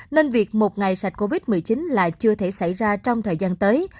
nên việc một ngày sạch covid một mươi chín là chưa thể xảy ra trong thời gian tới